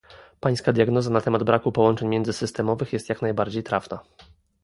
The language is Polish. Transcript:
Pańska diagnoza na temat braku połączeń międzysystemowych jest jak najbardziej trafna